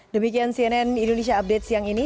demikian cnn indonesia update siang ini